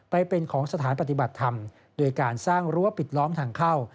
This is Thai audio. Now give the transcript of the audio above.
ไปเป็นของสถานปฏิบัติธรรมโดยการสร้างรั้วปิดล้อมทางเข้า